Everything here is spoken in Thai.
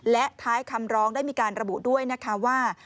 และท้ายคำร้องได้มีการระบุด้วยนะคะว่า